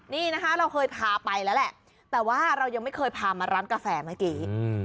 นี่นะคะเราเคยพาไปแล้วแหละแต่ว่าเรายังไม่เคยพามาร้านกาแฟเมื่อกี้